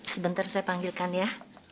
sebentar saya panggilkan ya